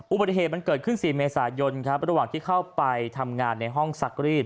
อุบัติเหตุมันเกิดขึ้น๔เมษายนครับระหว่างที่เข้าไปทำงานในห้องซักรีด